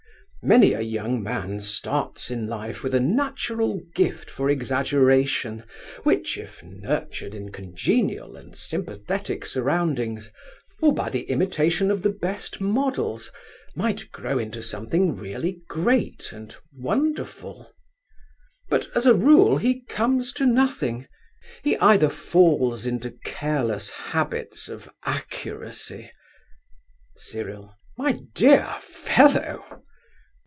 Many a young man starts in life with a natural gift for exaggeration which, if nurtured in congenial and sympathetic surroundings, or by the imitation of the best models, might grow into something really great and wonderful. But, as a rule, he comes to nothing. He either falls into careless habits of accuracy—' CYRIL. My dear fellow!